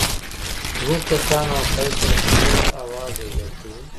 له هغو کسانو او عقایدو سره خپل آواز یوځای کوو.